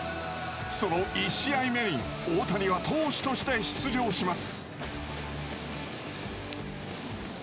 その１試合目に大谷は投手として出場します。